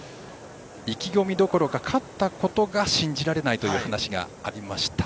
意気込みどころか勝ったことが信じられないという話がありました。